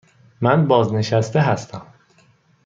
من بازنشسته هستم.